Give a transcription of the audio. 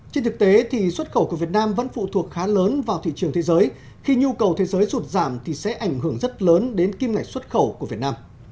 trên thực tế thì xuất khẩu của việt nam vẫn phụ thuộc khá lớn vào thị trường thế giới khi nhu cầu thế giới sụt giảm thì sẽ ảnh hưởng rất lớn đến kim ngạch xuất khẩu của việt nam